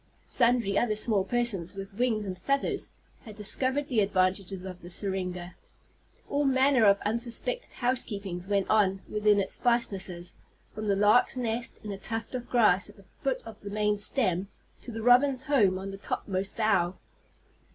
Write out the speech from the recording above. Sundry other small persons with wings and feathers had discovered the advantages of the syringa. All manner of unsuspected housekeepings went on within its fastnesses, from the lark's nest, in a tuft of grass at the foot of the main stem, to the robin's home on the topmost bough.